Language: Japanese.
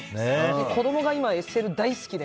子供が今、ＳＬ大好きで。